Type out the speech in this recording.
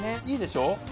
いいでしょ。